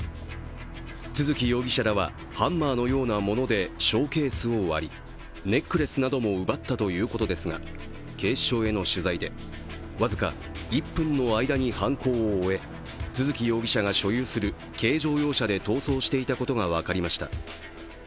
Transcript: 都築容疑者らはハンマーのようなものでショーケースを割り、ネックレスなども奪ったということですが警視庁への取材で、僅か１分の間に犯行を終え、都築容疑者が所有する軽乗用車で逃走していたことが分かりました。